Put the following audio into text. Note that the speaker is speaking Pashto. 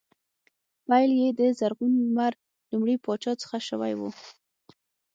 پیل یې د زرغون لمر لومړي پاچا څخه شوی و